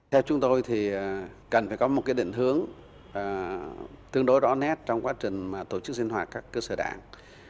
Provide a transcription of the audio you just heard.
theo chúng tôi thì cần phải có một định hướng tương đối rõ nét trong quá trình tổ chức sinh hoạt các cơ sở đảng